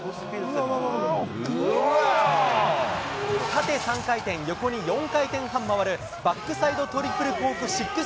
縦３回転、横に４回転半回るバックサイドトリプルコーク１６２０